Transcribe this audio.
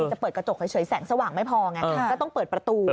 จะเปิดกระจกเฉยแสงสว่างไม่พอไงก็ต้องเปิดประตู